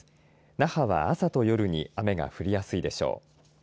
那覇は朝と夜に雨が降りやすいでしょう。